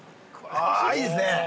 ◆あいいですね。